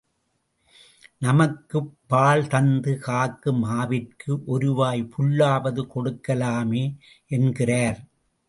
நமக்குப் பால் தந்து காக்கும் ஆவிற்கு ஒருவாய்ப் புல்லாவது கொடுக்கலாமே என்கிறார்.